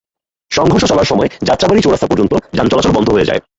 সংঘর্ষ চলার সময় যাত্রাবাড়ী চৌরাস্তা পর্যন্ত যান চলাচল বন্ধ হয়ে যায়।